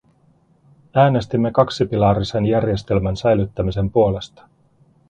Äänestimme kaksipilarisen järjestelmän säilyttämisen puolesta.